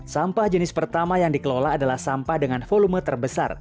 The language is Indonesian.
sampah jenis pertama yang dikelola adalah sampah dengan volume terbesar